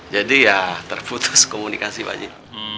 jadi ya terputus komunikasi pakcik